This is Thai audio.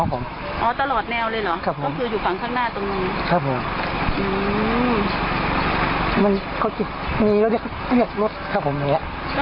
คืออยู่ฝั่งข้างหน้าตรงนี้